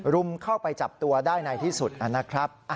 รุมเข้าไปจับตัวได้ในที่สุดนะครับ